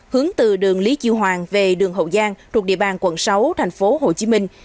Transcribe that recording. hướng từ đường lý chiêu hoàng về đường hậu giang thuộc địa bàn quận sáu thành phố hồ chí minh